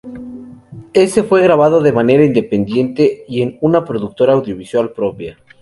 Éste fue grabado de manera independiente y en una Productora Audiovisual propia.